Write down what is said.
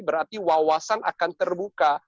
berarti wawasan akan terbuka